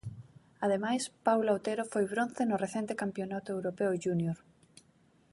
Ademais, Paula Otero foi bronce no recente Campionato Europeo Júnior.